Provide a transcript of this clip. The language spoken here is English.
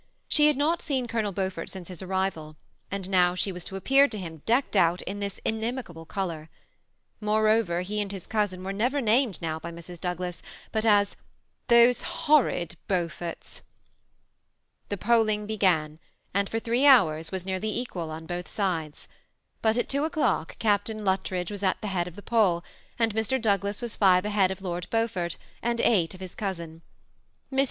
She had not seen Colonel Beaufort since his arrival, and now she was to appear to him, decked oat in this inimical color. Moreover, he and his cousin were never named now by Mrs. Douglas but as ^ those horrid Beauforts." The polling began, and for three hours was nearly equal on both sides ; but at two o'clock Captain Lut tridge was at the head of the poll, and Mr. Douglas was five ahead of Lord Beaufort, and eight of his cousin. Mrs.